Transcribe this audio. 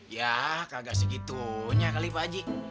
ya kagak segitunya kali pak haji